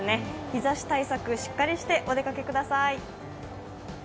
日ざし対策しっかりしてお出かけください。